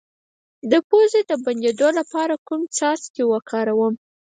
د پوزې د بندیدو لپاره کوم څاڅکي وکاروم؟